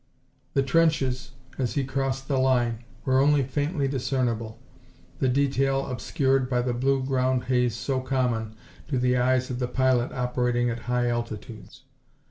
The trenches, as he crossed the line, were only faintly discernible, the detail obscured by the blue ground haze so common to the eyes of the pilot operating at high altitudes.